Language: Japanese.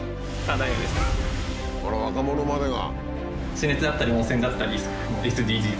あら若者までが。